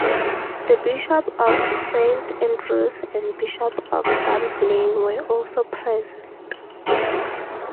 The Bishop of St Andrews and Bishop of Dunblane were also present.